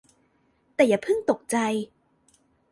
แต่อย่าเพิ่งตกใจ